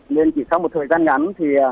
nên chỉ sau một thời gian ngắn thì